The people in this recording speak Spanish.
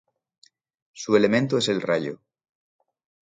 Su elemento es el rayo.